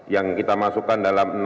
yang kita masukkan dalam